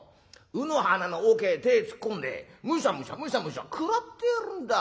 卯の花の桶へ手ぇ突っ込んでむしゃむしゃむしゃむしゃ食らってやがるんだ。